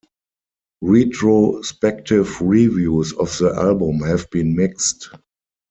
Retrospective reviews of the album have been mixed.